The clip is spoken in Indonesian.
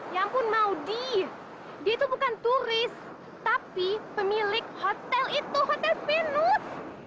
ya ampun maudie dia tuh bukan turis tapi pemilik hotel itu hotel venus